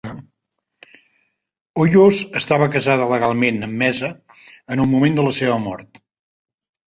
Hoyos estava casada legalment amb Mesa en el moment de la seva mort.